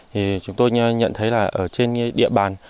thì chúng tôi nhận thấy là ở trên địa bàn